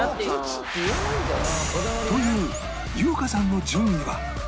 という優香さんの順位は？